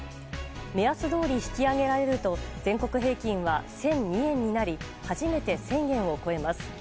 目安どおり引き上げられると全国平均は１００２円になり初めて１０００円を超えます。